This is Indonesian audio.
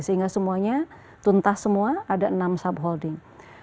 sehingga semuanya tuntas semua ada enam subholding